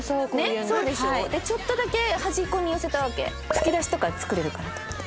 吹き出しとか作れるかなと思って。